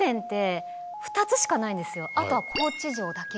あとは高知城だけ。